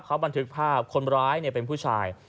เขาบันทึกภาพคนร้ายเป็นผู้ชาย